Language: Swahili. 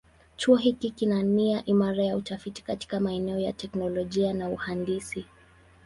Chuo hiki kina nia imara ya utafiti katika maeneo ya teknolojia na uhandisi.